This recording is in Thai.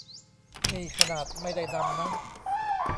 นี่ขนาดไม่ได้นำนะ